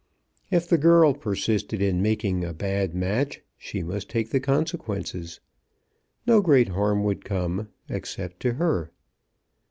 If the girl persisted in making a bad match she must take the consequences. No great harm would come, except to her.